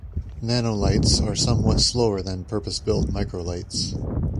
Nanolights are somewhat slower than purpose-built microlights.